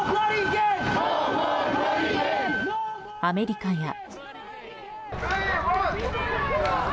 アメリカや。